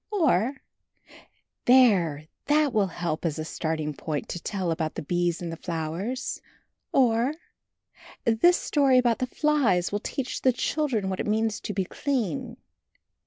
or, "There, that will help as a starting point to tell about the bees and the flowers!" or, "This story about the flies will teach the children what it means to be clean!"